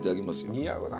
似合うな。